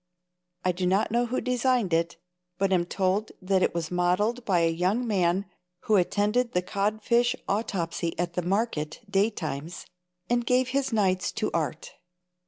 I do not know who designed it, but am told that it was modeled by a young man who attended the codfish autopsy at the market daytimes and gave his nights to art.